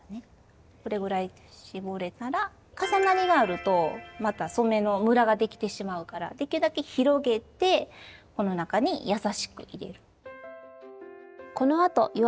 これぐらい絞れたら重なりがあるとまた染めのむらができてしまうからできるだけ広げてこの中に優しく入れる。